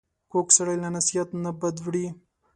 کوږ سړی له نصیحت نه بد وړي